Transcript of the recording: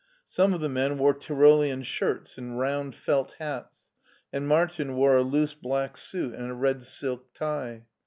Some of the men wore Tyro lean shirts and round felt hats, and Martin wore a loose black suit and a red silk tie.